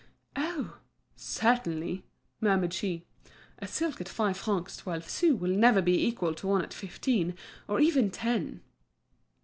"Oh! certainly," murmured she. "A silk at five francs twelve sous will never be equal to one at fifteen, or even ten."